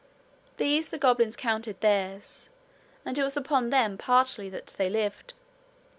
These the goblins counted theirs, and it was upon them partly that they lived.